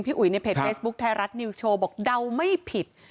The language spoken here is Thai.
อุ๋ยในเพจเฟซบุ๊คไทยรัฐนิวโชว์บอกเดาไม่ผิด